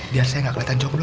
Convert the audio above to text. biar saya gak keliatan comelu